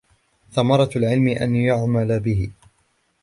ثَمَرَةُ الْعِلْمِ أَنْ يُعْمَلَ بِهِ